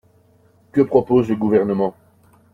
Que propose le Gouvernement?